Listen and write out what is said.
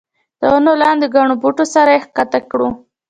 د ونو لاندې ګڼو بوټو سره یې ښکته کړو.